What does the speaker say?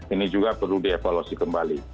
ini juga perlu dievaluasi kembali